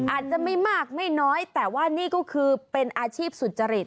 อาจจะไม่มากไม่น้อยแต่ว่านี่ก็คือเป็นอาชีพสุจริต